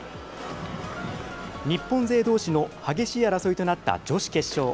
日本勢どうしの激しい争いとなった女子決勝。